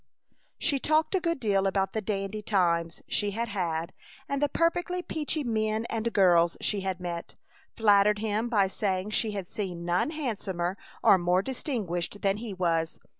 She talked a good deal about the "dandy times" she had had and the "perfectly peachy" men and girls she had met; flattered him by saying she had seen none handsomer or more distinguished than he was.